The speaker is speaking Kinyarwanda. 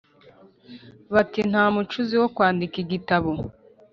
bati; nta mucuzi wo kwandika igitabo